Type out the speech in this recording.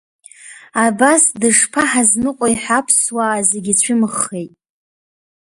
Абас дышԥаҳазныҟәеи ҳәа аԥсуаа зегь ицәымӷхеит.